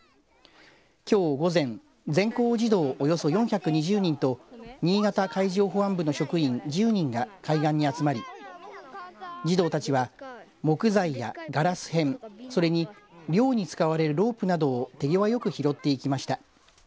きょう午前全校児童およそ４２０人と新潟海上保安部の職員１０人が海岸に集まり児童たちは木材やガラス片それに漁に使われるロープなどを手際よく拾っていきました。